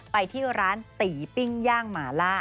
ไปที่ร้านตีปิ้งย่างหมาล่า